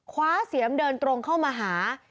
เสียมเดินตรงเข้ามาหา